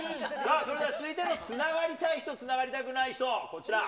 それでは続いてのつながりたい人つながりたくない人、こちら。